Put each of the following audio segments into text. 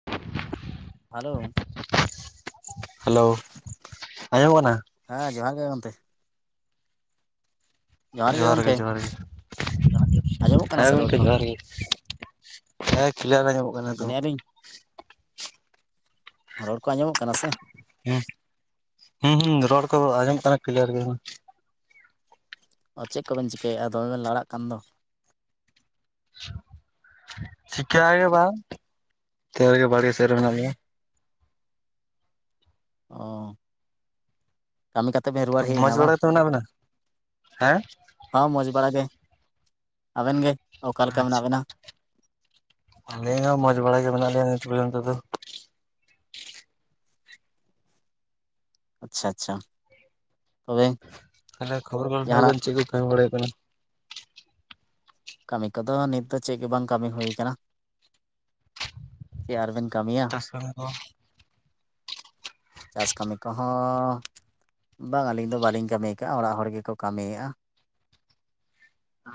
[unintelligible] Hello hello [unintelligible] ᱟᱸᱡᱚᱢ ᱚᱜ ᱠᱟᱱᱟ᱾ ᱦᱮᱸ ᱡᱚᱦᱟᱨ ᱜᱮ ᱜᱚᱢᱠᱮ᱾ ᱡᱚᱦᱟᱨ ᱜᱮ ᱡᱚᱦᱟᱨ ᱜᱮ᱾ ᱟᱸᱡᱚᱢᱚᱜ ᱠᱟᱱᱟ ᱦᱮᱸ ᱥᱮ ᱨᱚᱲ ᱜᱚᱢᱠᱮ ᱠᱚ ᱡᱚᱦᱟᱨ ᱜᱮ [unintelligible] ᱦᱮᱸ ᱠᱷᱮᱞ ᱨᱮ ᱧᱟᱢᱚᱜ ᱠᱟᱱᱟ ᱮᱠᱫᱚᱢ᱾ ᱢᱮᱱᱮᱫᱼᱟ ᱞᱤᱧ ᱨᱚᱲ ᱠᱚ ᱟᱸᱡᱚᱢᱚᱜ ᱠᱟᱱᱟ ᱥᱮ ᱦᱮᱸ ᱦᱩ ᱦᱩᱸ ᱨᱚᱲ ᱠᱚ ᱟᱸᱡᱚᱢ ᱠᱟᱱᱟ ᱠᱞᱤᱭᱟᱨ ᱜᱮ ᱦᱩ᱾ ᱟᱨ ᱪᱮᱫ ᱠᱚᱵᱮᱱ ᱪᱤᱠᱟᱹᱭᱮᱫᱼᱟ ᱫᱚᱢᱮ ᱵᱮᱱ ᱞᱟᱲᱟᱜ ᱠᱟᱱ ᱫᱚ ᱪᱤᱠᱟᱹ ᱜᱮ ᱵᱟᱝ ᱚᱱᱛᱮ ᱨᱮᱜᱮ ᱵᱟᱲᱲᱜᱮ ᱥᱮᱫ ᱨᱮ ᱢᱮᱱᱟᱜ ᱞᱤᱧᱟ᱾ ᱚ ᱠᱟᱹᱢᱤ ᱠᱟᱛᱮ ᱵᱮᱱ ᱨᱩᱣᱟᱹᱲ ᱦᱮᱡ ᱮᱱᱟ ᱢᱚᱸᱡᱽ ᱵᱟᱲᱟ ᱵᱟᱝ ᱜᱮᱛᱚ ᱢᱮᱱᱟᱜ ᱵᱮᱱᱟ ᱦᱮᱸ ᱦᱚᱸ ᱢᱚᱡᱽ ᱵᱟᱲᱟ ᱜᱮ ᱟᱵᱮᱱ ᱜᱮ ᱚᱠᱟ ᱞᱮᱠᱟ ᱢᱮᱱᱟᱜ ᱟᱪᱪᱷᱟ ᱵᱮᱱᱟ ᱟᱞᱤᱧ ᱦᱚᱸ ᱢᱚᱡᱽ ᱵᱟᱲᱟ ᱜᱮ ᱢᱮᱱᱟᱜ ᱞᱮᱤᱭᱟ ᱱᱤᱛ ᱯᱚᱨᱡᱚᱱᱛᱚ ᱫᱚ᱾ ᱟᱪᱪᱷᱟ ᱟᱪᱪᱷᱟ᱾ ᱛᱚᱵᱮ ᱟᱪᱪᱷᱟ ᱠᱷᱚᱵᱚᱨ ᱠᱚ ᱡᱟᱦᱟᱱᱟᱜ ᱞᱟᱹᱭᱵᱮᱱ ᱪᱮᱫ ᱠᱚ ᱠᱟᱹᱢᱤ ᱵᱟᱲᱟ ᱦᱩᱭᱩᱜ ᱠᱟᱱᱟ ᱠᱟᱹᱢᱤ ᱠᱚᱫᱚ ᱱᱤᱛ ᱫᱚ ᱪᱮᱫ ᱜᱮ ᱵᱟᱝ ᱠᱟᱹᱢᱤ ᱦᱩᱭ ᱠᱟᱱᱟ ᱪᱮᱫ ᱟᱨᱵᱤᱱ ᱠᱟᱹᱢᱤᱭᱟ ᱪᱟᱥ ᱠᱟᱹᱢᱤ ᱠᱚ ᱪᱟᱥ ᱠᱟᱹᱢᱤ ᱠᱚᱦᱚᱸ ᱵᱟᱝ ᱟᱹᱞᱤᱧ ᱫᱚ ᱵᱟᱞᱤᱧ ᱠᱟᱹᱢᱤ ᱠᱟᱜᱼᱟ ᱚᱲᱟᱜ ᱦᱚᱲ ᱜᱮᱠᱚ ᱠᱟᱹᱢᱤᱭᱮᱜᱼᱟ᱾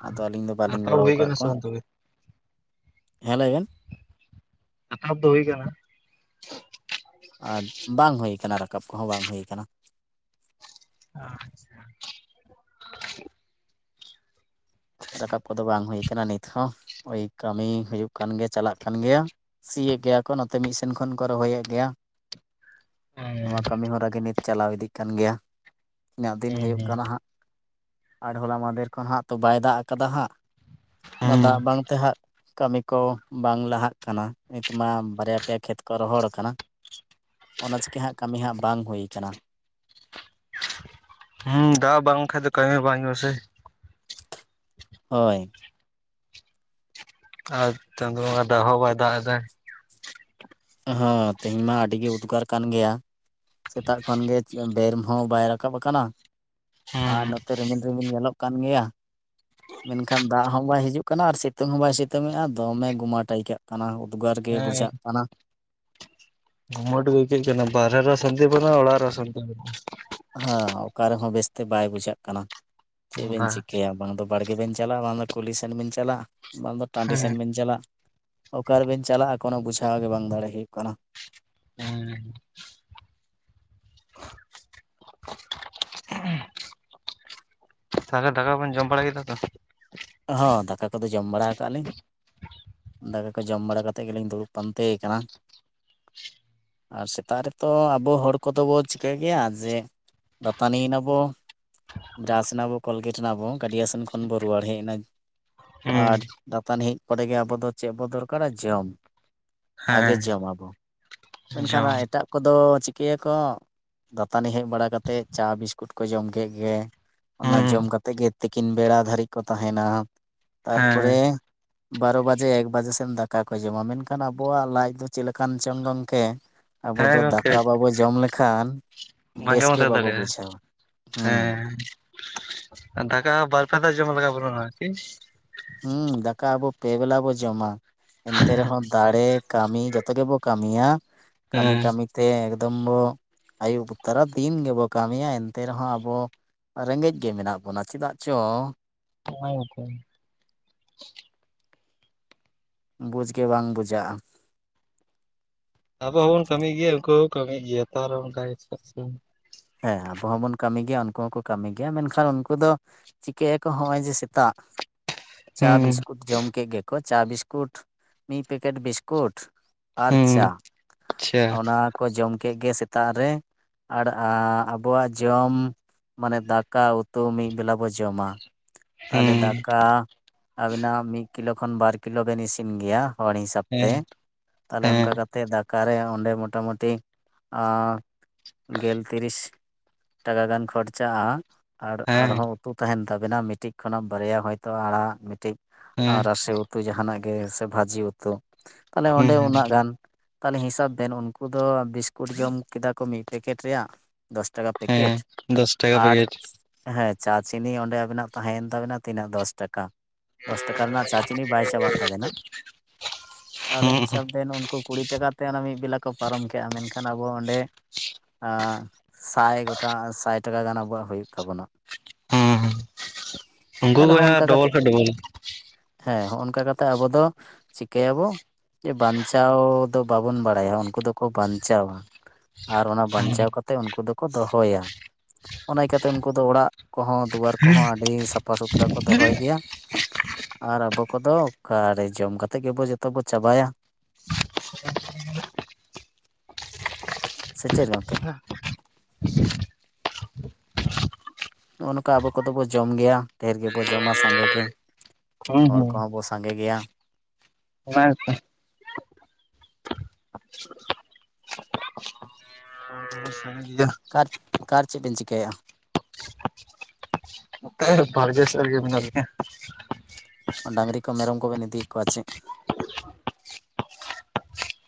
ᱟᱫᱚ ᱟᱹᱞᱤᱧ ᱫᱚ ᱵᱟᱞᱤᱧ ᱦᱟᱛᱟᱣ ᱜᱚᱲᱚ ᱦᱩᱭ ᱠᱟᱜ ᱠᱟᱱᱟ ᱥᱮ ᱠᱚᱣᱟ ᱵᱟᱝ ᱛᱚᱵᱮ ᱦᱮᱸ ᱞᱟᱹᱭ ᱵᱮᱱ᱾ ᱥᱟᱛᱷᱟᱯ ᱫᱚ ᱦᱩᱭ ᱟᱠᱟᱱᱟ᱾ ᱟᱨ ᱵᱟᱝ ᱦᱩᱭ ᱟᱠᱟᱱᱟ ᱨᱟᱠᱟᱵ ᱠᱚᱦᱚᱸ ᱵᱟᱝ ᱦᱩᱭ ᱟᱠᱟᱱᱟ᱾ ᱟᱪᱪᱷᱟ ᱨᱟᱠᱟᱵ ᱠᱚᱫᱚ ᱵᱟᱝ ᱦᱩᱭ ᱟᱠᱟᱱᱟ ᱱᱤᱛ ᱦᱚᱸ ᱳᱭ ᱠᱟᱹᱢᱤ ᱦᱳᱭᱳᱜ ᱠᱟᱱ ᱜᱮᱭᱟ ᱪᱟᱞᱟᱜ ᱠᱟᱱ ᱜᱮᱭᱟ᱾ ᱥᱤᱭᱮᱫ ᱜᱮᱭᱟ ᱠᱚ ᱱᱚᱛᱮ ᱢᱤᱫ ᱥᱮᱱ ᱠᱷᱚᱱ ᱠᱚ ᱨᱚᱦᱚᱭᱮᱫ ᱜᱮᱭᱟ᱾ ᱦᱮᱸ ᱱᱚᱣᱟ ᱠᱟᱹᱢᱤᱦᱚᱨᱟ ᱜᱮ ᱱᱤᱛ ᱪᱟᱞᱟᱣ ᱤᱫᱤᱜ ᱠᱟᱱ ᱜᱮᱭᱟ᱾ ᱤᱧᱟᱹᱜ ᱫᱤᱱ ᱦᱳᱭᱳᱜ ᱦᱮᱸ ᱠᱟᱱᱟ ᱦᱟᱸᱜ ᱟᱨ ᱦᱚᱞᱟ ᱢᱟᱫᱷᱮᱨ ᱠᱷᱚᱱ ᱦᱟᱸᱜ ᱛᱚ ᱵᱟᱭ ᱫᱟᱜ ᱠᱟᱫᱟ ᱦᱟᱸᱜ ᱚᱱᱟ ᱦᱩᱸ ᱫᱟᱜ ᱵᱟᱝ ᱛᱮ ᱦᱟᱸᱜ ᱠᱟᱹᱢᱤ ᱠᱚ ᱵᱟᱝ ᱞᱟᱦᱟᱜ ᱠᱟᱱᱟ ᱱᱤᱛ ᱢᱟ ᱵᱟᱨᱭᱟ ᱯᱮᱭᱟ ᱠᱷᱮᱛ ᱠᱚ ᱨᱚᱦᱚᱲ ᱠᱟᱱᱟ᱾ ᱚᱱᱟ ᱪᱤᱠᱟᱹ ᱦᱟᱸᱜ ᱠᱟᱹᱢᱤ ᱦᱟᱸᱜ ᱵᱟᱝ ᱦᱩᱭᱠᱟᱱᱟ᱾ ᱦᱩᱸ ᱫᱟᱜ ᱵᱟᱝᱠᱷᱟᱱᱡ ᱫᱚ ᱠᱟᱹᱢᱤ ᱵᱟᱝ ᱦᱩᱭᱩᱜᱼᱟ ᱥᱮ ᱦᱳᱭ᱾ ᱟᱨ ᱪᱟᱸᱫᱳ ᱵᱚᱸᱜᱟ ᱫᱟᱜ ᱦᱚᱸ ᱵᱟᱭ ᱫᱟᱜ ᱮᱫᱫᱟ᱾ ᱦᱮᱸ ᱛᱮᱦᱮᱧ ᱢᱟ ᱟᱹᱰᱤ ᱜᱮ ᱩᱫᱽᱜᱟᱨ ᱠᱟᱱ ᱜᱮᱭᱟ᱾ ᱥᱮᱛᱟᱜ ᱠᱷᱚᱱ ᱜᱮ ᱵᱮᱨ ᱦᱚᱸ ᱵᱟᱭ ᱨᱟᱠᱟᱵ ᱟᱠᱟᱱᱟ᱾ ᱦᱩᱸ ᱟᱨ ᱱᱚᱛᱮ ᱨᱤᱢᱤᱞ ᱨᱤᱢᱤᱞ ᱧᱮᱞᱚᱜ ᱠᱟᱱ ᱜᱮᱭᱟ᱾ ᱢᱮᱱ ᱠᱷᱟᱱ ᱫᱟᱜ ᱦᱚᱸ ᱵᱟᱭ ᱦᱤᱡᱩᱜ ᱠᱟᱱᱟ ᱟᱨ ᱥᱤᱛᱩᱝ ᱦᱚᱸ ᱵᱟᱭ ᱥᱤᱛᱩᱝᱮᱜᱼᱟ ᱫᱚᱢᱮ ᱜᱩᱢᱟᱴᱭᱠᱟᱹᱜᱼᱟ ᱠᱟᱱᱟ ᱩᱫᱽᱜᱟᱹᱨ ᱜᱮ ᱦᱮᱸ ᱵᱩᱡᱷᱟᱜ ᱠᱟᱱᱟ᱾ ᱜᱩᱢᱟᱸᱴ ᱜᱮ ᱟᱭᱠᱟᱹᱜ ᱠᱟᱱᱟ ᱵᱟᱨᱷᱮ ᱨᱮᱦᱚᱸ ᱥᱟᱱᱛᱤ ᱵᱱᱟᱜᱼᱟ ᱚᱲᱟᱜ ᱨᱮᱦᱚᱸ ᱥᱟᱱᱛᱤ ᱵᱟᱱᱩᱜᱼᱟ᱾ ᱦᱮᱸ ᱚᱠᱟ ᱨᱮᱦᱚᱸ ᱵᱮᱥᱛᱮ ᱵᱟᱭ ᱵᱩᱡᱷᱟᱹᱜ ᱠᱟᱱᱟ ᱪᱮᱫ ᱵᱮᱱ ᱵᱟᱝ ᱪᱤᱠᱟᱹᱭᱟ ᱵᱟᱝ ᱫᱚ ᱵᱟᱲᱜᱮ ᱵᱮᱱ ᱪᱟᱞᱞᱟ ᱵᱟᱝ ᱫᱚ ᱠᱩᱞᱦᱤ ᱥᱮᱱ ᱵᱮᱱ ᱪᱟᱞᱟᱜ ᱵᱟᱝ ᱫᱚ ᱴᱟᱺᱰᱤ ᱥᱮᱱ ᱦᱮᱸ ᱵᱮᱱ ᱪᱟᱞᱟᱜᱼᱼ ᱚᱠᱟ ᱨᱮ ᱵᱮᱱ ᱪᱟᱞᱟᱜᱼᱟ ᱠᱳᱱᱳ ᱵᱩᱡᱷᱟᱣ ᱜᱮ ᱵᱟᱝ ᱫᱟᱲᱮ ᱦᱩᱭᱩᱜ ᱠᱟᱱᱟ᱾ ᱦᱮᱸ ᱦᱩᱸ [unintelligible] ᱛᱟᱦᱚᱞᱮ ᱫᱟᱠᱟ ᱵᱮᱱ ᱡᱚᱢ ᱵᱟᱲᱟ ᱠᱮᱫᱟ ᱛᱚ ᱦᱚᱸ ᱫᱟᱠᱟ ᱠᱚᱫᱚ ᱡᱚᱢ ᱵᱟᱲᱟ ᱟᱠᱟᱜ ᱟᱹᱞᱤᱧ ᱫᱟᱠᱟ ᱠᱚ ᱡᱚᱢ ᱵᱟᱲᱟ ᱠᱟᱛᱮᱫ ᱜᱮᱞᱤᱧ ᱫᱩᱲᱩᱵ ᱯᱟᱱᱛᱮ ᱠᱟᱱᱟ ᱟᱨ ᱥᱮᱛᱟᱜ ᱨᱮᱛᱚ ᱟᱵᱚ ᱦᱚᱲ ᱠᱚᱫᱚ ᱵᱚ ᱪᱤᱠᱟᱹᱭ ᱜᱮᱭᱟ ᱡᱮ ᱫᱟᱹᱛᱟᱹᱱᱤ ᱮᱱᱟᱵᱚ ᱵᱨᱟᱥ ᱮᱱᱟᱵᱚ ᱠᱚᱞᱜᱮᱴ ᱮᱱᱟᱵᱚ ᱜᱟᱹᱰᱤᱭᱟ ᱥᱮᱱ ᱠᱷᱚᱱ ᱵᱚ ᱨᱩᱣᱟᱹᱲ ᱦᱮᱡ ᱮᱱᱟ ᱦᱩᱸ ᱟᱨ ᱫᱟᱹᱛᱟᱹᱱᱤ ᱦᱮᱡ ᱯᱚᱨᱮ ᱜᱮ ᱟᱵᱚ ᱫᱚ ᱪᱮᱫ ᱵᱚ ᱫᱚᱨᱠᱟᱨ ᱟ ᱡᱚᱢ ᱟᱜᱮ ᱦᱮᱸ ᱡᱚᱢ ᱟᱵᱚ ᱢᱮᱱᱠᱷᱟᱱ ᱡᱚᱢ ᱮᱴᱟᱜ ᱠᱚᱫᱚ ᱪᱤᱠᱟᱹᱭᱟᱠᱚ ᱫᱟᱹᱛᱟᱹᱱᱤ ᱦᱮᱡ ᱵᱟᱲᱟ ᱠᱟᱛᱮ ᱪᱟ ᱵᱤᱥᱠᱩᱴ ᱠᱚ ᱡᱚᱢ ᱠᱮᱫ ᱜᱮ ᱚᱱᱟ ᱦᱩᱸ ᱡᱚᱢ ᱠᱟᱛᱮᱫ ᱜᱮ ᱛᱤᱠᱤᱱ ᱵᱮᱲᱟ ᱫᱷᱟᱹᱨᱤᱡ ᱠᱚ ᱛᱟᱦᱮᱱᱟ ᱦᱮᱸ ᱛᱟᱨᱯᱚᱨᱮ ᱵᱟᱨᱚ ᱵᱟᱡᱮ ᱮᱠ ᱵᱟᱡᱮ ᱥᱮᱱ ᱫᱟᱠᱟ ᱠᱚ ᱡᱚᱢ ᱟ ᱢᱮᱱᱠᱷᱟᱱ ᱟᱵᱚᱣᱼᱟᱜ ᱞᱟᱡ ᱫᱚ ᱪᱮᱫ ᱞᱮᱠᱟᱱ ᱪᱚᱝ ᱜᱚᱝᱠᱮ ᱟᱵᱚ ᱦᱮᱸ ᱫᱚ ᱫᱟᱠᱟ ᱵᱟᱵᱚ ᱡᱚᱢ ᱞᱮᱠᱷᱟᱱ ᱵᱮᱥ ᱵᱟᱝᱵᱟᱱ ᱜᱮ ᱛᱟᱸᱦᱮ ᱵᱟᱵᱚ ᱫᱟᱲᱮᱭᱟᱜᱼᱟ ᱵᱩᱡᱷᱟᱹᱣᱟ ᱦᱩᱸ ᱦᱮᱸ ᱫᱟᱠᱟ ᱦᱚᱸ ᱵᱟᱨ ᱯᱮ ᱫᱷᱟᱣ ᱡᱚᱢᱟ ᱞᱟᱜᱟᱣ ᱵᱟᱱᱟ ᱦᱩᱸ ᱫᱟᱠᱟ ᱟᱵᱚ ᱯᱮ ᱵᱮᱞᱟ ᱵᱚ ᱡᱚᱢ ᱟ ᱮᱱᱛᱮ ᱨᱮᱦᱚᱸ ᱫᱟᱲᱮ ᱠᱟᱹᱢᱤ ᱡᱚᱛᱚ ᱜᱮᱵᱚ ᱠᱟᱹᱢᱤᱭᱟ ᱠᱟᱹᱢᱤ ᱦᱮᱸ ᱠᱟᱹᱢᱤ ᱛᱮᱱᱯ ᱮᱠᱫᱚᱢ ᱵᱚ ᱟᱹᱭᱩᱵ ᱛᱚᱨᱟ ᱫᱤᱱ ᱜᱮᱵᱚ ᱠᱟᱹᱢᱤᱭᱟ ᱮᱱᱛᱮ ᱨᱮᱦᱚᱸ ᱟᱵᱚ᱾ ᱨᱮᱸᱜᱮᱡ ᱜᱮ ᱢᱮᱱᱟᱜ ᱵᱚᱱᱟ ᱪᱮᱫᱟᱜ ᱪᱚ᱾ ᱦᱳᱭ ᱜᱚᱝᱠᱮ᱾ ᱵᱩᱡᱽ ᱜᱮ ᱵᱟᱝ ᱵᱩᱡᱷᱟᱹᱜᱼᱟ᱾ ᱟᱵᱚ ᱦᱚᱸᱵᱚᱱ ᱠᱟᱹᱢᱤ ᱜᱮᱭᱟ ᱩᱱᱠᱩ ᱦᱚᱸᱠᱚ ᱠᱟᱹᱢᱤ ᱜᱮᱭᱟ ᱛᱟᱨ ᱚᱱᱠᱟ ᱜᱮ ᱪᱮᱫᱟᱜ ᱥᱮ? ᱦᱮᱸ ᱟᱵᱚ ᱦᱚᱸᱵᱚᱱ ᱠᱟᱹᱢᱤ ᱜᱮᱭᱟ ᱩᱱᱠᱩ ᱦᱚᱸᱠᱚ ᱠᱟᱹᱢᱤ ᱜᱮᱭᱟ ᱢᱮᱱᱠᱷᱟᱱ ᱩᱱᱠᱩ ᱫᱚ ᱪᱤᱠᱟᱹᱭ ᱟᱠᱚ ᱦᱚᱸᱜᱼᱚᱭ ᱡᱮ ᱥᱮᱛᱟᱜ᱾ ᱪᱟ ᱦᱩᱸ ᱵᱤᱥᱠᱩᱴ ᱡᱚᱢ ᱠᱮᱜ ᱜᱮᱠᱚ ᱪᱟ ᱵᱤᱥᱠᱩᱴ ᱢᱤᱫ ᱯᱮᱠᱮᱴ ᱵᱤᱥᱠᱩᱴ᱾ ᱟᱨ ᱦᱩᱸ ᱪᱟ ᱟᱪᱪᱷᱟ ᱚᱱᱟ ᱠᱚ ᱡᱚᱢ ᱠᱮᱜ ᱜᱮ ᱥᱮᱛᱟᱜ ᱨᱮ᱾ ᱟᱵᱚᱣᱼᱟᱜ ᱡᱚᱢ ᱢᱟᱱᱮ ᱫᱟᱠᱟ ᱩᱛᱩ ᱢᱤᱫ ᱵᱮᱞᱟ ᱵᱚ ᱡᱚᱢ ᱟ᱾ ᱛᱟᱦᱚᱞᱮ ᱦᱩᱸ ᱫᱟᱠᱟ ᱟᱵᱤᱱᱟᱜ ᱢᱤᱫ ᱠᱤᱞᱳ ᱠᱷᱚᱱ ᱵᱟᱨ ᱠᱤᱞᱳ ᱵᱮᱱ ᱤᱥᱤᱱ ᱜᱮᱭᱟ ᱦᱚᱲ ᱦᱤᱥᱟᱹᱵ᱾ ᱛᱮ ᱦᱮᱸ ᱛᱟᱞᱦᱮ ᱦᱮᱸ ᱚᱱᱠᱟ ᱦᱮᱸ ᱠᱟᱛᱮ ᱫᱟᱠᱟ ᱨᱮᱸᱻ ᱚᱸᱰᱮ ᱢᱚᱴᱟᱢᱩᱴᱤ ᱟᱸᱜ ᱜᱮᱞ ᱛᱤᱨᱤᱥ ᱴᱟᱠᱟ ᱜᱟᱱ ᱠᱷᱚᱨᱪᱟᱜᱼᱟ ᱟᱨ ᱟᱨᱦᱚᱸ᱾ ᱩᱛᱩ ᱛᱟᱦᱮᱱ ᱛᱟᱵᱮᱱᱟ ᱢᱤᱫᱴᱤᱡ ᱠᱷᱚᱱᱟᱜ ᱵᱟᱨᱭᱟ ᱦᱚᱭᱛᱳ ᱟᱲᱟᱜ ᱢᱤᱫᱴᱤᱡ ᱦᱮᱸ ᱦᱩᱸ ᱨᱟᱥᱮ ᱩᱛᱩ᱾ ᱩᱛᱩ ᱡᱟᱦᱟ ᱱᱟᱜ ᱜᱮ ᱥᱮ ᱵᱷᱟᱹᱡᱤ ᱩᱛᱩ ᱛᱟᱦᱞᱮ ᱚᱸᱰᱮ ᱦᱩᱸ ᱩᱱᱟᱹᱜ ᱜᱟᱱ᱾ ᱛᱟᱦᱚᱞᱮ ᱦᱤᱥᱟᱹᱵ ᱵᱮᱱ ᱩᱱᱠᱩ ᱫᱚ ᱵᱤᱥᱠᱩᱴ ᱡᱚᱢ ᱠᱮᱫᱟ ᱠᱚ ᱢᱤᱫ ᱯᱮᱠᱮᱴ ᱨᱮᱭᱟᱜ ᱫᱚᱥ᱾ ᱴᱟᱠᱟ ᱯᱮᱠᱮᱴ ᱦᱮᱸ ᱫᱚᱥ ᱴᱟᱠᱟ ᱟᱨᱡ ᱯᱮᱠᱮᱴ ᱦᱮᱸ ᱪᱟ ᱪᱤᱱᱤ ᱚᱸᱰᱮ ᱟᱵᱤᱱ ᱟᱜ ᱛᱟᱦᱮᱸᱭᱮᱱ ᱛᱟᱵᱮᱱᱟ ᱛᱤᱱᱟᱹᱜ ᱫᱚᱥ ᱴᱟᱠᱟ᱾ ᱫᱚᱥ ᱴᱟᱠᱟ ᱨᱮᱱᱟᱜ ᱪᱟ ᱪᱤᱱᱤ ᱵᱟᱭ ᱪᱟᱵᱟᱜ ᱛᱟᱵᱮᱱᱟ ᱛᱟᱦᱚᱞᱮ ᱦᱩᱸ ᱦᱤᱥᱟᱹᱵᱽ ᱵᱮᱱ ᱩᱱᱠᱩ ᱠᱩᱲᱤ ᱴᱟᱠᱟᱛᱮ ᱚᱱᱟ ᱢᱤᱫ ᱵᱮᱞᱟ ᱠᱚ ᱯᱟᱨᱚᱢ ᱠᱮᱜᱼᱟ ᱢᱮᱱᱠᱷᱟᱱ ᱟᱵᱚ ᱚᱸᱰᱮ ᱥᱟᱭ ᱜᱚᱴᱟᱝ ᱟᱨ ᱥᱟᱭ ᱴᱟᱠᱟ ᱜᱟᱱ ᱟᱵᱚᱣᱟᱜ ᱦᱩᱭᱩᱜ ᱛᱟᱵᱚᱱᱟ᱾ ᱦᱩᱸ ᱩᱱᱠᱩ ᱛᱟᱦᱚᱞᱮ ᱦᱚᱸᱜᱼᱚ ᱠᱷᱚᱱᱟᱜ ᱱᱚᱝᱠᱟ ᱰᱚᱵᱚᱞ ᱠᱟᱛᱮ ᱠᱷᱚᱡ ᱰᱚᱵᱚᱞ [unintelligible] ᱦᱮᱸ ᱦᱚᱜ ᱚᱱᱠᱟ ᱠᱟᱛᱮ ᱟᱵᱚ ᱫᱚ ᱪᱤᱠᱟᱹᱭ ᱟᱵᱚ? ᱡᱮ ᱵᱟᱧᱪᱟᱣ ᱫᱚ ᱵᱟᱵᱚᱱ ᱵᱟᱲᱟᱭᱟ ᱩᱱᱠᱩ ᱫᱚᱠᱚ ᱵᱟᱧᱪᱟᱣᱟ ᱟᱨ ᱚᱱᱟ ᱵᱟᱧᱪᱟᱣ ᱠᱟᱛᱮ ᱩᱱᱠᱩ ᱫᱚᱠᱚ ᱫᱚᱦᱚᱭᱟ ᱚᱱᱟᱭ ᱠᱟᱛᱮ ᱩᱱᱠᱩ ᱫᱚ ᱚᱲᱟᱜ ᱠᱚᱦᱚᱸ ᱫᱩᱣᱟᱹᱨ ᱠᱚᱦᱚᱸ ᱟᱹᱰᱤ ᱥᱟᱯᱷᱟ ᱥᱩᱛᱨᱟᱹ ᱠᱚ ᱫᱚᱦᱚᱭ ᱜᱮᱭᱟ᱾ ᱟᱨ ᱟᱵᱚ ᱠᱚᱫᱚ ᱚᱠᱟᱨᱮ ᱡᱚᱢ ᱠᱟᱛᱮᱫ ᱜᱮᱵᱚ ᱡᱚᱛᱚ ᱵᱚ ᱪᱟᱵᱟᱭᱟ᱾ ᱥᱮ ᱪᱮᱫ ᱜᱚᱝᱠᱮ? ᱱᱚᱜᱼᱚ ᱱᱚᱝᱠᱟ ᱟᱵᱚ ᱠᱚᱫᱚ ᱵᱚ ᱡᱚᱢ ᱜᱮᱭᱟ ᱰᱷᱮᱨ ᱜᱮᱵᱚ ᱡᱚᱢᱟ ᱥᱟᱸᱜᱮ ᱜᱮ᱾ ᱦᱩᱸ ᱦᱚᱲ ᱦᱩᱸ ᱠᱚᱦᱚᱸ ᱵᱚ ᱥᱟᱸᱜᱮ ᱜᱮᱭᱟ᱾ [unintelligible] ᱦ ᱛ [unintelligible] ᱠᱟᱨ ᱠᱟᱨᱮ ᱪᱮᱫ ᱵᱮᱱ ᱪᱤᱠᱟᱹᱭᱟ? ᱵᱟᱨᱜᱮ ᱥᱮᱜ ᱨᱮᱜᱮ ᱢᱮᱱᱟᱜ ᱞᱤᱧᱟ᱾ ᱰᱟᱺᱜᱨᱤ ᱠᱚ ᱢᱮᱨᱚᱢ ᱠᱚᱵᱮᱱ ᱤᱫᱤᱭᱮᱫ ᱠᱚᱣᱟ ᱪᱮᱫ?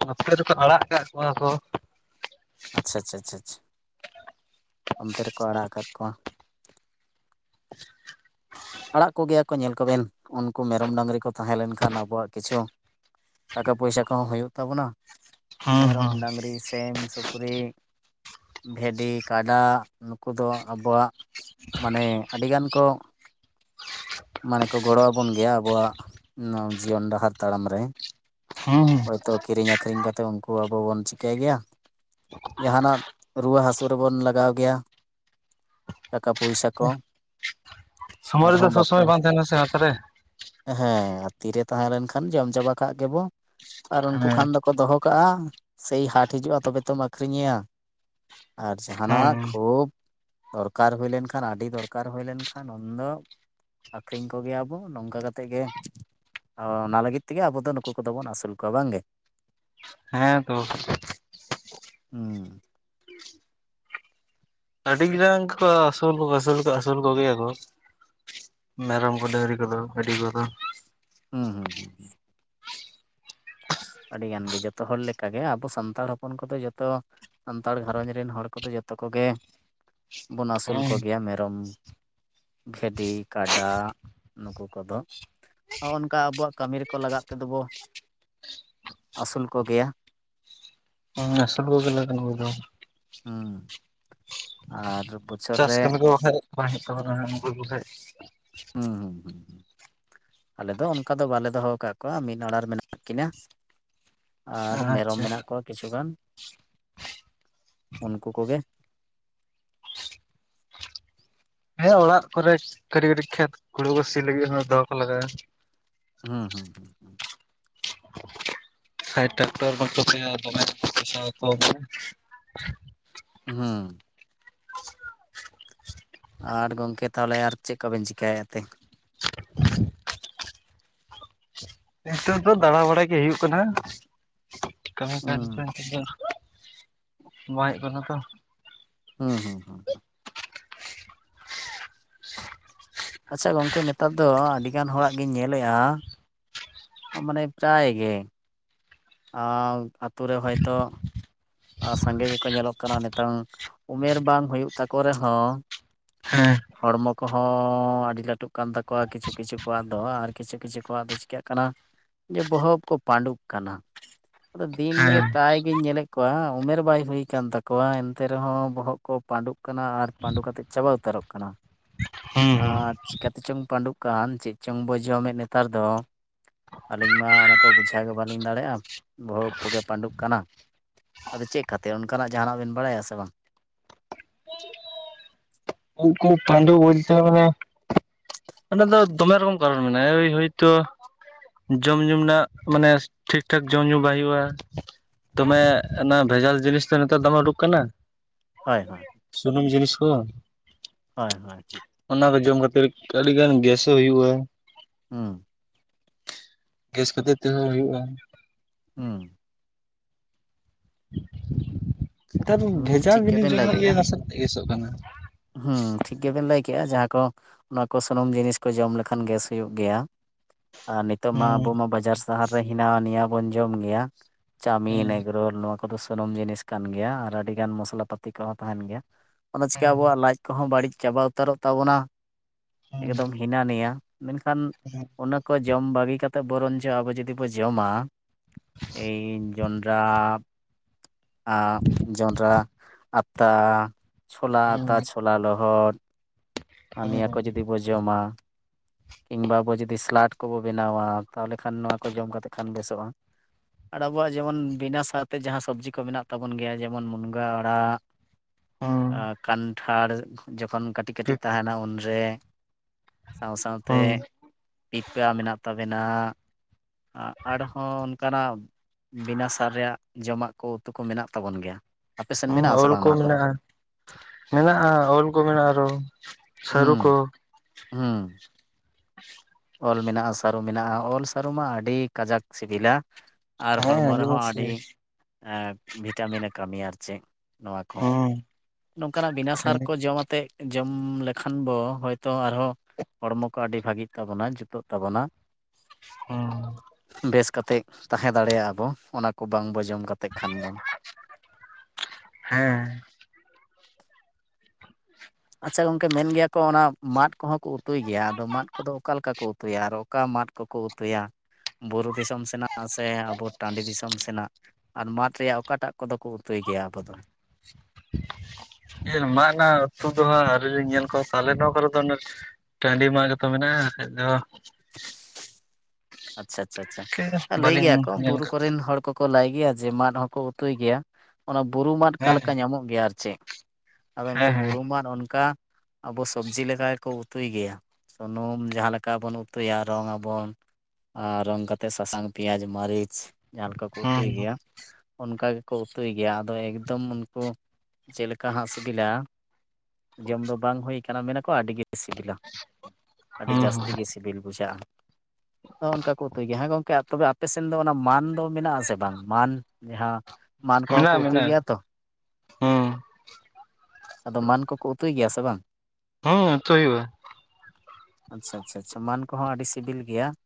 ᱱᱚᱛᱮ ᱨᱮ ᱫᱚᱠᱚ ᱟᱲᱟᱜ ᱠᱟᱜ ᱠᱚᱣᱟ ᱠᱚ᱾ ᱟᱪᱷᱟ ᱻᱟᱪᱷᱟ ᱻᱟᱪᱪᱷᱟ᱾ ᱚᱱᱛᱮ ᱨᱮᱠᱚ ᱟᱲᱟᱜ ᱟᱠᱟᱫ ᱠᱚᱣᱟ? ᱟᱲᱟᱜ ᱠᱚᱜᱮᱭᱟ ᱠᱚ ᱧᱮᱞ ᱠᱚᱵᱮᱱ ᱩᱱᱠᱩ ᱢᱮᱨᱚᱢ ᱰᱟᱺᱨᱤ ᱠᱚ ᱛᱟᱦᱮᱸ ᱞᱮᱱᱠᱷᱟᱱ ᱟᱵᱚᱣᱟᱜ ᱠᱤᱪᱷᱩ ᱴᱟᱠᱟ ᱯᱚᱭᱥᱟ ᱠᱚᱦᱚᱸ ᱦᱩᱭᱩᱜ ᱛᱟᱵᱚᱱᱟ ᱦᱩᱸ ᱢᱮᱨᱚᱢ ᱦᱩᱸ ᱰᱟᱺᱨᱤ ᱥᱤᱢ ᱥᱩᱠᱨᱤ᱾ ᱵᱷᱤᱰᱤ ᱠᱟᱰᱟ ᱱᱩᱠᱩ ᱫᱚ ᱟᱵᱚᱣᱟᱜ ᱢᱟᱱᱮ ᱟᱹᱰᱤᱜᱟᱱ ᱠᱚ ᱢᱟᱱᱮ ᱠᱚ ᱜᱚᱲᱚ ᱟᱵᱚᱱ ᱜᱮᱭᱟ ᱟᱵᱚᱣᱟᱜ ᱡᱤᱭᱚᱱ ᱰᱟᱦᱟᱨ ᱛᱟᱲᱟᱢ ᱨᱮ᱾ ᱦᱩᱸ ᱦᱳᱭᱛᱳ ᱠᱤᱨᱤᱧ ᱟᱹᱠᱨᱤᱧ ᱠᱟᱛᱮᱫ ᱩᱱᱠᱩ ᱟᱵᱚ ᱵᱚᱱ ᱪᱤᱠᱟᱹᱭ ᱜᱮᱭᱟ? ᱡᱟᱦᱟᱱᱟᱜ ᱨᱩᱣᱟᱹ ᱦᱟᱹᱥᱩ ᱨᱮᱵᱚᱱ ᱞᱟᱜᱟᱣ ᱜᱮᱭᱟ ᱴᱟᱠᱟ ᱯᱚᱭᱥᱟ ᱠᱚ᱾ ᱥᱩᱢᱟᱭ ᱟᱨᱦᱚᱸ ᱨᱮᱫᱚ ᱥᱚᱵ ᱥᱚᱢᱚᱭ ᱵᱟᱯᱞᱟ ᱵᱟᱝ ᱛᱟᱦᱮᱱᱟ ᱥᱮ ᱦᱟᱛ ᱨᱮ᱾ ᱦᱮᱸ ᱟᱨ ᱛᱤᱨᱮ ᱛᱟᱦᱮᱸ ᱞᱮᱱᱠᱷᱟᱱ ᱡᱚᱢ ᱪᱟᱵᱟ ᱠᱟᱜ ᱜᱮᱵᱚᱱ᱾ ᱟᱨ ᱩᱱᱠᱩ ᱦᱮᱸ ᱠᱷᱟᱱ ᱫᱚᱠᱚ ᱫᱚᱦᱚ ᱠᱟᱜᱼᱟ ᱥᱮᱭ ᱦᱟᱴ ᱦᱤᱡᱩᱜᱼᱟ ᱛᱚᱵᱮ ᱛᱚᱢ ᱟᱹᱠᱷᱨᱤᱧ ᱮᱭᱟ᱾ ᱟᱨ ᱦᱮᱸ ᱡᱟᱦᱟᱱᱟᱜ ᱠᱷᱩᱵ ᱫᱚᱨᱠᱟᱨ ᱦᱩᱭ ᱞᱮᱱᱠᱷᱟᱱ ᱟᱹᱰᱤ ᱫᱚᱨᱠᱟᱨ ᱦᱩᱭ ᱞᱮᱱ ᱠᱷᱟᱱ ᱠᱷᱟᱱ ᱩᱱᱫᱚ ᱟᱠᱠᱷᱨᱤᱧ ᱠᱚᱜᱮᱭᱟᱵᱚ ᱱᱚᱝᱠᱟ ᱠᱟᱛᱮᱫ ᱜᱮ ᱚᱱᱟ ᱞᱟᱹᱜᱤᱫ ᱛᱮᱜᱮ ᱟᱵᱚ ᱫᱚ ᱱᱩᱠᱩ ᱠᱚᱫᱚ ᱵᱚᱱ ᱟᱹᱥᱩᱞ ᱠᱚᱣᱟ ᱵᱟᱝᱜᱮ᱾ ᱦᱮᱸ ᱛᱚ [unintelligible] ᱦᱩᱸ ᱟᱹᱰᱤᱡ ᱜᱟᱝ ᱠᱚ ᱟᱹᱥᱩᱞ ᱠᱚᱠᱚ ᱟᱹᱥᱩᱞ ᱠᱚ ᱟᱹᱥᱩᱞ ᱠᱚᱜᱮᱭᱟᱠᱚ, ᱢᱮᱨᱚᱢ ᱠᱚ ᱰᱟᱺᱜᱽᱨᱤ ᱠᱚᱫᱚ ᱟᱹᱰᱤ ᱠᱚᱫᱚ ᱦᱩᱸ ᱦᱩᱸ ᱦᱩᱸ ᱦᱩᱸ ᱟᱹᱰᱤᱜᱟᱱ ᱜᱮ ᱡᱚᱛᱚ ᱦᱚᱲ ᱞᱮᱠᱟᱜᱮ ᱟᱵᱚ ᱥᱟᱱᱛᱟᱲ ᱦᱚᱯᱚᱱ ᱠᱚᱫᱚ ᱡᱚᱛᱚ ᱥᱟᱱᱛᱟᱲ ᱜᱷᱟᱨᱚᱸᱡᱽ ᱨᱤᱱ ᱦᱚᱲ ᱠᱚᱫᱚ ᱡᱚᱛᱚ ᱠᱚᱜᱮ ᱵᱚᱱ ᱟᱥᱩᱞ ᱦᱩᱸ ᱠᱚᱜᱮᱭᱟ ᱢᱮᱨᱚᱢ᱾ ᱜᱷᱮᱰᱤ ᱠᱟᱰᱟᱜ ᱱᱩᱠᱩ ᱠᱚᱫᱚ ᱚᱼ ᱚᱱᱠᱟ ᱟᱵᱚᱣᱟᱜ ᱠᱟᱹᱢᱤ ᱨᱮᱠᱚ ᱞᱟᱜᱟᱜ ᱛᱮᱫᱚ ᱵᱚ ᱟᱥᱩᱞ ᱠᱚᱜᱮᱭᱟ, ᱦᱩᱸ ᱟᱹᱥᱩᱞ ᱠᱚᱜᱮᱞᱮ [inaudible] ᱫᱚ ᱦᱩᱸ ᱟᱨ ᱵᱩᱡᱷᱟᱹᱜ ᱪᱟᱥ ᱠᱟᱹᱢᱤ ᱫᱚ ᱵᱟᱠᱷᱟᱡ ᱵᱟᱝ ᱦᱮᱡ ᱛᱟᱵᱚᱱᱟ ᱱᱩᱠᱩ ᱠᱚ ᱴᱷᱮᱡ᱾ ᱦᱩᱸ ᱦᱩᱸ ᱦᱩᱸ ᱦᱩᱸ ᱟᱞᱮ ᱫᱚ ᱚᱱᱠᱟ ᱫᱚ ᱵᱟᱞᱮ ᱫᱚᱦᱚ ᱟᱠᱟᱜ ᱠᱚᱣᱟ ᱢᱤᱫ ᱚᱲᱟᱨᱮ ᱢᱮᱱᱟᱜ ᱠᱤᱱᱟ᱾ ᱟᱨ ᱢᱮᱨᱚᱢ ᱟᱪᱪᱷᱟ ᱢᱮᱱᱟᱜ ᱠᱚᱣᱟ ᱠᱤᱪᱷᱩᱜᱟᱱ ᱩᱱᱠᱩ ᱠᱚᱜᱮ᱾ ᱦᱮᱸ ᱚᱲᱟᱜ ᱠᱚᱨᱮᱡᱽ ᱠᱟᱹᱴᱤᱡ ᱠᱟᱹᱴᱤᱡ ᱠᱷᱮᱛ ᱦᱩᱲᱩ ᱠᱚ ᱥᱤ ᱞᱟᱹᱜᱤᱫ ᱦᱚ ᱫᱚᱦᱚ ᱠᱚ ᱞᱟᱜᱟᱜᱼᱟ᱾ ᱦᱩᱸ ᱦᱩᱸ ᱦᱩᱸ ᱦᱩᱸ ᱥᱟᱭ ᱴᱟᱠᱴᱚᱨ ᱵᱟᱝᱠᱳ ᱠᱚᱥᱤ, ᱫᱚᱢᱮ [unintelligible] ᱦᱩᱸ ᱟᱨ ᱜᱚᱝᱠᱮ ᱛᱟᱦᱚᱞᱮ ᱟᱨ ᱪᱮᱫ ᱠᱚᱵᱮᱱ ᱪᱮᱠᱟᱭᱮᱜᱼᱟ ᱛᱮᱧ ᱱᱮᱛᱚᱜ ᱫᱚ ᱫᱟᱬᱟ ᱵᱟᱲᱟᱭ ᱜᱮ ᱦᱩᱭᱩᱜ ᱠᱟᱱᱟ, ᱠᱟᱹᱢᱤ [inaudible] ᱡᱩᱨ᱾ ᱦᱩᱸ ᱵᱟᱭᱚᱜ ᱠᱟᱱᱟ ᱛᱚ, ᱦᱩᱸ ᱦᱩᱸ ᱦᱩᱸ ᱟᱪᱪᱷᱟ ᱜᱚᱝᱠᱮ ᱱᱮᱛᱟᱨ ᱫᱚ ᱟᱹᱰᱤ ᱜᱟᱱ ᱦᱚᱲᱟᱜ ᱜᱤᱧ ᱧᱮᱞ ᱞᱮᱜᱼᱟ, ᱟ ᱢᱟᱱᱮᱯ ᱪᱟᱭ ᱜᱮ ᱟᱣ ᱟᱛᱩ ᱨᱮ ᱦᱚᱭᱛᱚᱜ ᱟᱨ ᱥᱟᱸᱜᱮ ᱜᱮᱠᱚ ᱧᱮᱞᱚᱜ ᱠᱟᱱᱟ ᱱᱮᱛᱚᱝ ᱩᱢᱮᱨ ᱵᱟᱝ ᱦᱩᱭᱩᱜ ᱛᱟᱠᱚ ᱨᱮᱦᱚᱸ, ᱦᱮᱸ ᱦᱚᱲᱢᱚ ᱠᱚᱦᱚᱸ ᱟᱹᱰᱤ ᱞᱟᱹᱴᱩᱜ ᱠᱟᱱ ᱛᱟᱠᱚᱣᱟ ᱠᱤᱪᱷᱩ ᱠᱤᱪᱷᱩ ᱠᱚᱣᱟᱜ ᱫᱚ ᱟᱨ ᱠᱤᱪᱷᱩ ᱠᱤᱪᱷᱩ ᱠᱚᱣᱟᱜ ᱫᱚ ᱪᱤᱠᱟᱹᱜ ᱠᱟᱱᱟ, ᱤᱧᱟᱹᱜ ᱵᱚᱦᱚ ᱩᱵ ᱠᱚ ᱯᱟᱸᱰᱩᱜ ᱠᱟᱱᱟ ᱟᱫᱚ ᱫᱤᱱᱜᱮ ᱦᱮᱸ ᱯᱟᱨᱟᱭ ᱜᱤᱧ ᱧᱮᱞᱮᱫ ᱠᱚᱣᱟ ᱩᱢᱮᱨ ᱵᱟᱭ ᱦᱩᱭ ᱠᱟᱱ ᱛᱟᱠᱚᱣᱟ ᱮᱱᱛᱮ ᱨᱮᱦᱚᱸ ᱵᱚᱦᱚᱜ ᱠᱚ ᱯᱟᱸᱰᱩᱜ ᱠᱟᱱᱟ ᱟᱨ ᱯᱟᱸᱰᱩ ᱠᱟᱛᱮᱫ ᱪᱟᱵᱟ ᱩᱛᱟᱹᱨᱚᱜ ᱠᱟᱱᱟ᱾ ᱦᱩᱸ ᱦᱩᱸ ᱟᱨ ᱪᱮᱠᱟ ᱛᱮᱪᱚᱝ ᱯᱟᱸᱰᱩᱜ ᱠᱟᱱ ᱪᱮᱫ ᱪᱚᱝ ᱵᱚ ᱡᱚᱢᱮᱫ ᱱᱮᱛᱟᱨ ᱫᱚ᱾ ᱟᱞᱤᱧ ᱢᱟ ᱚᱱᱟ ᱠᱚ ᱵᱩᱡᱷᱟᱣ ᱜᱮ ᱵᱟᱞᱤᱧ ᱫᱟᱲᱮᱜ-ᱟ, ᱵᱚᱦᱚᱜ ᱩᱵ ᱠᱚᱜᱮ ᱯᱟᱸᱰᱩᱜ ᱠᱟᱱᱟ᱾ ᱟᱫᱚ ᱪᱮᱜ ᱠᱟᱛᱮ ᱚᱱᱠᱟ ᱱᱟᱜ ᱡᱟᱦᱟᱸ ᱱᱟᱜ ᱵᱤᱱ ᱵᱟᱲᱟᱭᱟ ᱥᱮ ᱵᱟᱝ? ᱩᱵ ᱠᱚ ᱯᱟᱸᱰᱩ [inaudible] ᱚᱸᱰᱮ ᱫᱚ ᱫᱚᱢᱮ ᱨᱚᱝ [inaudible] ᱢᱮᱱᱟᱭᱟ ᱟᱹᱭ ᱦᱚᱭᱛᱚᱼᱼ ᱡᱚᱢᱼᱧᱩᱢ ᱱᱟᱜ ᱢᱟᱱᱮᱥ ᱴᱷᱤᱠ ᱴᱷᱟᱠ ᱡᱚᱢ ᱧᱩ ᱵᱟᱭ ᱦᱩᱭᱩᱜ-ᱟ᱾ ᱛᱚᱢᱮᱜ ᱮᱱᱟ ᱵᱷᱮᱡᱟᱞ ᱡᱤᱱᱤᱥ ᱴᱟᱜ ᱱᱮᱛᱟᱨ ᱫᱚᱢᱮ ᱩᱰᱩᱠ ᱟᱠᱟᱱᱟ᱾ ᱦᱚᱭ ᱦᱚᱭ᱾ ᱥᱩᱱᱩᱢ ᱡᱤᱱᱤᱥ ᱠᱚᱭ ᱦᱚᱭ ᱦᱚᱭ ᱦᱮᱸ᱾ ᱚᱱᱟ ᱠᱚ ᱡᱚᱢ ᱠᱟᱹᱛᱨᱤᱠ ᱟᱹᱰᱤ ᱜᱟᱱ ᱜᱮᱥ ᱦᱚᱸ ᱦᱩᱭᱩᱜ-ᱟ᱾ ᱦᱩᱸ᱾ ᱜᱮᱥ ᱠᱷᱟᱹᱛᱤᱨ ᱛᱮᱦᱚᱸ ᱦᱩᱭᱩᱜ-ᱟ᱾ ᱦᱩᱸ᱾ ᱱᱮᱛᱟᱨ ᱫᱚ ᱦᱩᱸ ᱵᱷᱮᱡᱟᱞ‌ ᱴᱷᱤᱠ ᱡᱤᱱᱤᱥ ᱜᱮᱵᱮᱱ ᱞᱟᱹᱭ ᱡᱚᱱᱢᱚ ᱤᱭᱟᱹ ᱠᱮᱜᱼᱟ ᱮᱱᱟ ᱥᱮ, ᱟᱹᱞᱤᱥᱚᱜ ᱠᱟᱱᱟ᱾ ᱦᱩᱸ ᱴᱷᱤᱠ ᱜᱮᱵᱤᱱ ᱞᱟᱹᱭ ᱠᱮᱜ-ᱟ, ᱡᱟᱦᱟᱸ ᱠᱚ ᱚᱱᱟ ᱠᱚ ᱥᱚᱱᱚᱢ ᱡᱤᱱᱤᱥ ᱠᱚ ᱡᱚᱢ ᱞᱮᱠᱷᱟᱱ ᱜᱮᱥ ᱦᱩᱭᱩᱜ ᱜᱮᱭᱟ᱾ ᱟᱨ ᱱᱤᱛᱚᱜ ᱢᱟ ᱟᱵᱚ ᱦᱩᱸ ᱢᱟ ᱵᱟᱡᱟᱨ ᱥᱟᱦᱟᱨ ᱨᱮ ᱦᱤᱱᱟ ᱱᱤᱭᱟ ᱵᱚᱱ ᱡᱚᱢ ᱜᱮᱭᱟ, ᱪᱟᱢᱤᱱ ᱮᱜᱚᱼᱼ ᱦᱩᱸ ᱨᱳᱞ‌ ᱱᱚᱣᱟ ᱠᱚᱫᱚ ᱥᱩᱱᱩᱢ ᱡᱤᱱᱤᱥ ᱠᱟᱱ ᱜᱮᱭᱟ ᱟᱨ ᱟᱹᱰᱤᱜᱟᱱ ᱢᱚᱥᱚᱞᱟ ᱯᱟᱹᱛᱤ ᱠᱚᱦᱚᱸ ᱛᱟᱦᱮᱱ ᱜᱮᱭᱟ ᱚᱱᱟ ᱪᱤᱠᱟ ᱟᱵᱚᱣᱟᱜᱼᱼ ᱞᱟᱡ ᱠᱚᱦᱚᱸ ᱵᱟᱹᱲᱤᱡ ᱪᱟᱵᱟ ᱩᱛᱟᱨᱚᱜ ᱛᱟᱵᱚᱱᱟ ᱮᱠᱫᱚᱢ ᱦᱤᱱᱟ ᱱᱤᱭᱟ ᱢᱮᱱᱠᱷᱟᱱᱼᱼ ᱮᱦᱮᱸᱜ᱾ ᱚᱱᱟᱹ ᱠᱚ ᱡᱚᱢ ᱵᱟᱜᱤ ᱠᱟᱛᱮᱜ ᱵᱚᱨᱚᱱ ᱡᱚ ᱟᱵᱚ ᱡᱩᱫᱤ ᱵᱚ ᱡᱚᱢᱟ᱾ ᱮᱭ ᱡᱚᱱᱰᱨᱟᱼᱼ ᱟᱻᱡᱚᱱᱰᱨᱟ ᱟᱛᱟ ᱪᱷᱚᱞᱟ ᱟᱛᱟ ᱪᱷᱚᱞᱟᱼᱼ ᱞᱚᱦᱚᱫ ᱟᱨ ᱱᱤᱭᱟᱹ ᱠᱚ ᱡᱩᱫᱤ ᱵᱚ ᱡᱚᱢᱟᱼᱼ ᱠᱤᱝᱜᱽ ᱵᱟ ᱟᱵᱚ ᱡᱩᱫᱤ ᱥᱤᱞᱟᱴ ᱠᱚᱵᱚ ᱵᱮᱱᱟᱣᱟ ᱛᱟᱦᱚᱞᱮ ᱠᱷᱟᱱ ᱱᱚᱣᱟ ᱠᱚ ᱡᱚᱢ ᱠᱟᱛᱮᱜ ᱠᱷᱟᱱ ᱵᱮᱥᱚᱜ-ᱟ᱾ ᱟᱲ ᱟᱵᱚᱣᱟᱜ ᱡᱮᱢᱚᱱ ᱵᱤᱱᱟ ᱥᱟᱨ ᱛᱮ ᱡᱟᱦᱟᱸ ᱥᱚᱵᱽᱡᱤ ᱠᱚ ᱢᱮᱱᱟᱜ ᱛᱟᱵᱚᱱ ᱜᱮᱭᱟ ᱡᱮᱢᱚᱱ ᱢᱩᱱᱜᱟ ᱟᱲᱟᱜᱼᱼ ᱟᱨ ᱠᱟᱱᱴᱷᱟᱲ ᱡᱚᱠᱷᱚᱱ ᱠᱟᱹᱴᱤᱡᱼᱠᱟᱴᱤᱡ ᱛᱟᱦᱮᱱᱟ ᱩᱱᱼᱼ ᱨᱮ ᱥᱟᱶ ᱥᱟᱶᱛᱮᱼᱼ ᱯᱤᱯᱟ ᱢᱮᱱᱟᱜ ᱛᱟᱵᱮᱱᱟ ᱟᱨᱦᱚᱸ ᱚᱱᱠᱟ ᱱᱟᱜᱼᱼ ᱵᱤᱱᱟ ᱥᱟᱨ ᱨᱮᱭᱟᱜ ᱡᱚᱢᱟᱜ ᱠᱚ ᱩᱛᱩ ᱠᱚ ᱢᱮᱱᱟᱜ ᱛᱟᱵᱚᱱ ᱜᱮᱭᱟ᱾ ᱟᱯᱮᱥᱮᱫ ᱦᱚᱸ ᱢᱮᱱᱟᱜ ᱟᱥᱮ ᱳᱞ ᱵᱟᱝ ᱠᱚ ᱱᱚᱣᱟ ᱠᱚᱫᱚ ᱢᱮᱱᱟᱜ-ᱟ᱾ ᱢᱮᱱᱟᱜ-ᱟ ᱳᱞ ᱠᱚ ᱢᱮᱱᱟᱜ-ᱟ ᱟᱨᱚ ᱥᱟᱹᱨᱩ ᱠᱚ᱾ ᱦᱩᱸ ᱦᱩᱸ᱾ ᱚᱞ ᱢᱮᱱᱟᱜ-ᱟ ᱥᱟᱹᱨᱩ ᱢᱮᱱᱟᱜ-ᱟ ᱳᱞ ᱥᱟᱹᱨᱩ ᱢᱟ ᱟᱹᱰᱤ ᱠᱟᱡᱟᱠ ᱥᱤᱵᱤᱞᱟ᱾ ᱟᱨ ᱦᱮᱸ ᱦᱚᱲᱢᱚ ᱟᱸᱡᱚᱢ ᱨᱮᱦᱚᱸ ᱥᱮ ᱟᱰᱤ ᱮᱸ ᱵᱷᱤᱴᱟᱢᱤᱱᱮ ᱠᱟᱹᱢᱤᱭᱟ ᱟᱨ ᱪᱮᱜ ᱱᱚᱣᱟ ᱠᱚ᱾ ᱦᱮᱸ ᱱᱚᱝᱠᱟ ᱱᱟᱜ ᱵᱤᱱᱟᱹᱥᱟᱨ ᱠᱟᱹᱢᱤ ᱠᱚ ᱡᱚᱢ ᱟᱛᱮᱜ ᱡᱚᱢ ᱞᱮᱠᱷᱟᱱ ᱵᱚ ᱦᱚᱭᱛᱚ ᱟᱨᱦᱚᱸᱼᱼ ᱦᱚᱲᱢᱚ ᱠᱚ ᱟᱰᱤ ᱵᱷᱟᱜᱤᱜ ᱛᱟᱵᱚᱱᱟ ᱡᱩᱛᱚᱜ ᱛᱟᱵᱚᱱᱟ᱾ ᱦᱩᱸ᱾ ᱵᱮᱥ ᱠᱟᱛᱮᱜ ᱛᱟᱦᱮᱸ ᱫᱟᱲᱮᱭᱟᱜ-ᱟᱵᱚ ᱚᱱᱟ ᱠᱚ ᱵᱟᱝ ᱵᱚ ᱡᱚᱢ ᱠᱟᱛᱮᱜ ᱠᱷᱟᱱ ᱫᱚ᱾ ᱦᱮᱸ᱾ ᱟᱪᱪᱷᱟ ᱜᱚᱝᱠᱮ ᱢᱮᱱ ᱜᱮᱭᱟ ᱠᱚ ᱚᱱᱟ ᱢᱟᱫ ᱠᱚᱦᱚᱸ ᱠᱚ ᱩᱛᱩᱭ ᱜᱮᱭᱟ ᱟᱫᱚ ᱢᱟᱫ ᱠᱚᱫᱚ ᱚᱠᱟ ᱞᱮᱠᱟ ᱠᱚ ᱼᱼ ᱩᱛᱩᱭᱟ ᱟᱨ ᱚᱠᱟ ᱢᱟᱫ ᱠᱚᱠᱚ ᱩᱛᱩᱭᱟ ᱵᱩᱨᱩ ᱫᱤᱥᱚᱢ ᱥᱮᱱᱟᱜᱼᱼ ᱟ ᱥᱮ ᱟᱵᱚ ᱴᱟᱸᱰᱤ ᱫᱤᱥᱚᱢ ᱥᱮᱱᱟᱜ ᱟᱨ ᱢᱟᱫ ᱨᱮᱭᱟᱜ ᱚᱠᱟ ᱴᱟᱜ ᱠᱚᱫᱚ ᱠᱚ ᱩᱛᱩᱭ ᱜᱮᱭᱟ ᱟᱵᱚ ᱫᱚ? ᱮᱨ ᱢᱟᱜ ᱚᱱᱟ ᱩᱛᱩ ᱫᱚ ᱦᱟᱸᱜ ᱟᱹᱣᱨᱤ ᱞᱤᱧ ᱧᱮᱞ ᱠᱚᱣᱟ ᱯᱟᱞᱮ ᱱᱚᱶᱟ ᱠᱚᱨᱮ ᱫᱚ ᱚᱱᱮᱼᱼ ᱴᱟᱺᱰᱤ ᱢᱟᱜ ᱜᱮᱛᱚ ᱢᱮᱱᱟᱜ-ᱟ ᱠᱷᱟᱡ ᱫᱚᱼᱼ ᱟᱪᱪᱷᱟ ᱟᱪᱷᱟ ᱪᱷᱟ ᱫᱚ ᱟᱸᱻ ᱞᱟᱹᱭ ᱜᱮᱭᱟ ᱵᱟᱹᱞᱤᱧ ᱠᱚ ᱧᱮᱞ ᱵᱩᱨᱩ ᱠᱟᱜ ᱠᱚᱨᱮᱱ ᱦᱚᱲ ᱠᱚᱼᱼ ᱠᱚ ᱞᱟᱹᱭ ᱜᱮᱭᱟ ᱡᱮ ᱢᱟᱫ ᱦᱚᱸᱠᱚ ᱩᱛᱩᱭ ᱜᱮᱭᱟ ᱚᱱᱟ ᱵᱩᱨᱩ ᱢᱟᱫ ᱚᱠᱟ ᱦᱮᱸ ᱞᱮᱠᱟ ᱧᱟᱢᱚᱜ ᱜᱮᱭᱟ ᱟᱨ ᱪᱮᱜᱼᱼ ᱟᱫᱚ ᱩᱱᱠᱩ ᱦᱮᱸ ᱦᱮᱸ ᱵᱩᱨᱩᱢᱟᱱ ᱚᱱᱠᱟ ᱟᱵᱚ ᱥᱚᱵᱡᱤ ᱞᱮᱠᱟ ᱜᱮᱠᱚ ᱩᱛᱩᱭ ᱜᱮᱭᱟ ᱥᱩᱱᱩᱢ ᱡᱟᱦᱟᱸ ᱞᱮᱠᱟ ᱵᱚᱱ ᱩᱛᱩᱭᱟ ᱨᱚᱝ ᱟᱵᱚᱱ ᱟᱨ ᱨᱚᱝ ᱠᱟ ᱠᱟᱛᱮᱫ ᱥᱟᱥᱟᱝ ᱯᱮᱸᱭᱟᱡᱽ ᱢᱟᱹᱨᱤᱪ ᱡᱟᱦᱟᱸ ᱞᱮᱠᱟ ᱠᱚ ᱦᱮᱸ ᱩᱛᱩᱭ ᱦᱮᱸ ᱜᱮᱭᱟ ᱚᱱᱠᱟ ᱜᱮᱠᱚ ᱩᱛᱩᱭ ᱜᱮᱭᱟ ᱟᱫᱚ ᱮᱠᱫᱚᱢ ᱩᱱᱠᱩ ᱪᱮᱫᱮᱠᱟ ᱦᱟᱸᱜ ᱥᱤᱵᱤᱞᱟ ᱡᱚᱢ ᱫᱚ ᱵᱟᱝ ᱦᱩᱭ ᱟᱠᱟᱱᱟ ᱢᱮᱱᱟᱠᱚ ᱟᱹᱰᱤᱜᱮ ᱥᱤᱵᱤᱞᱟ ᱾ ᱟᱹᱰᱤ ᱦᱮᱸ ᱡᱟᱹᱥᱛᱤ ᱜᱮ ᱥᱤᱵᱤᱞ ᱵᱩᱡᱷᱟᱹᱜᱼᱟ ᱚᱱᱠᱟ ᱠᱚ ᱩᱛᱩᱭ ᱜᱮᱭᱟ ᱦᱮᱸ ᱜᱚᱝᱠᱮ ᱛᱚᱵᱮ ᱟᱯᱮ ᱥᱮᱱ ᱫᱚ ᱚᱱᱟ ᱢᱟᱱ ᱫᱚ ᱢᱮᱱᱟᱜ ᱟᱥᱮ ᱵᱟᱝ ᱢᱟᱱ ᱡᱟᱦᱟᱸ ᱢᱟᱱ ᱠᱚᱦᱚᱸ ᱠᱚ ᱢᱮᱱᱟᱜᱼᱟ ᱩᱛᱩᱭ ᱢᱮᱱᱟᱜᱼᱟ ᱜᱮᱭᱟ ᱛᱚ? ᱦᱮᱸ ᱟᱫᱚ ᱢᱟᱱ ᱠᱚᱠᱚ ᱩᱛᱩᱭ ᱜᱮᱭᱟ ᱥᱮ ᱵᱟᱝ? ᱦᱚᱸ ᱩᱛᱩ ᱦᱩᱭᱩᱜᱼᱟ ᱟᱪᱪᱷᱟ ᱼ ᱟᱪᱪᱷᱟᱻᱪᱷᱟ ᱢᱟᱱ ᱠᱚᱦᱚᱸ ᱟᱹᱰᱤ ᱥᱤᱵᱤᱞ ᱜᱮᱭᱟ ᱾